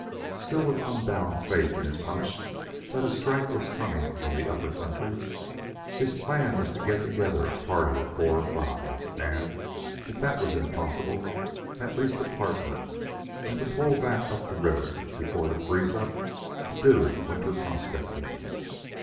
Still with unbounded faith in his hunch that a strike was coming in the Upper Country, his plan was to get together a party of four or five, and, if that was impossible, at least a partner, and to pole back up the river before the freeze up to do winter prospecting.